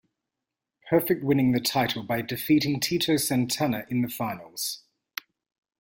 Perfect winning the title by defeating Tito Santana in the finals.